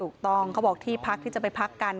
ถูกต้องเขาบอกที่พักที่จะไปพักกัน